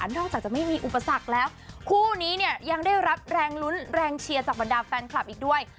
นอกจากจะไม่มีอุปสรรคแล้วคู่นี้เนี่ยยังได้รับแรงลุ้นแรงเชียร์จากบรรดาแฟนคลับอีกด้วย